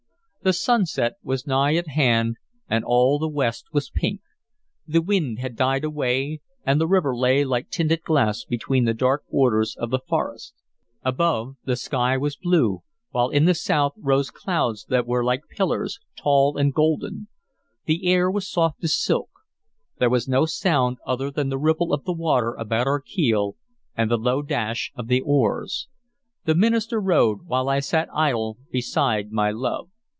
The sunset was nigh at hand, and all the west was pink. The wind had died away, and the river lay like tinted glass between the dark borders of the forest. Above the sky was blue, while in the south rose clouds that were like pillars, tall and golden. The air was soft as silk; there was no sound other than the ripple of the water about our keel and the low dash of the oars. The minister rowed, while I sat idle beside my love.